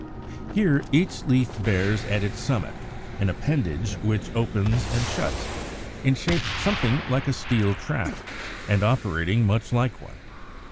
Here (Fig. 176) each leaf bears at its summit an appendage which opens and shuts, in shape something like a steel trap, and operating much like one.